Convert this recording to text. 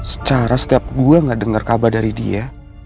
secara setiap gua gak denger kabar dari dia